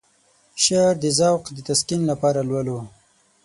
شعر د ذوق د تسکين لپاره لولو.